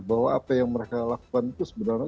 bahwa apa yang mereka lakukan itu sebenarnya